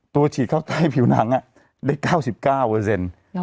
ฉีดเข้าใต้ผิวหนังได้๙๙เปอร์เซ็นต์